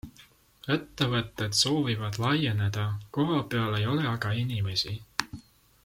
Ettevõtted soovivad laieneda, kohapeal ei ole aga inimesi.